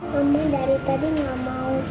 mama dari tadi enggak mau